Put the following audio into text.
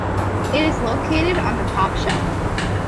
It is located on the top shelf.